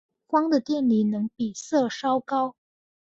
钫的电离能比铯稍高。